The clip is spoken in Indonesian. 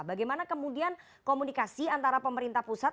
bagaimana kemudian komunikasi antara pemerintah pusat